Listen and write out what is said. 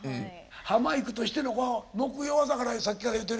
ハマいくとしての目標はだからさっきから言ってるように。